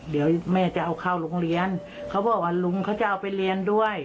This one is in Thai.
เดี๋ยวแม่จะเอาเข้าโรงเรียนเขาบอกว่าลุงเขาจะเอาไปเรียนด้วย